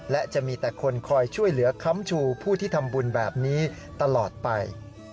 และจะมีแต่คนคอยช่วยเหลือค้ำชูผู้ที่ทำบุญแบบนี้ตลอดไป